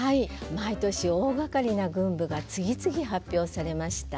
毎年大がかりな群舞が次々発表されました。